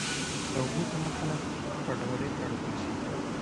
د اوبو کمښت خلک کډوالۍ ته اړ باسي.